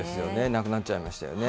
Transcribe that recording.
なくなっちゃいましたよね。